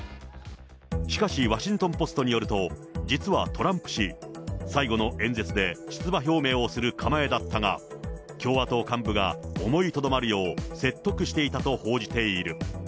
しかし、ワシントン・ポストによると、実はトランプ氏、最後の演説で、出馬表明をする構えだったが、共和党幹部が思いとどまるよう、説得していたと報じている。